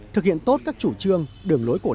thực hiện tốt các chủ trương đường lối cổ đại